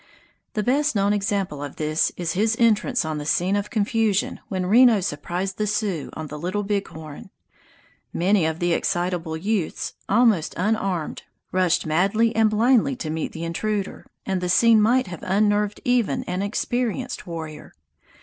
The best known example of this is his entrance on the scene of confusion when Reno surprised the Sioux on the Little Big Horn. Many of the excitable youths, almost unarmed, rushed madly and blindly to meet the intruder, and the scene might have unnerved even an experienced warrior.